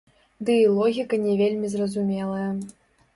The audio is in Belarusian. Ды і логіка не вельмі зразумелая.